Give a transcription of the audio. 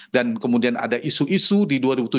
dan kemudian ada isu isu di dua ribu tujuh belas